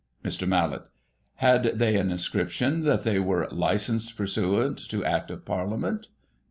Mr. Mallett: Had they an inscription that they were " Licensed pursuant to Act of Parliament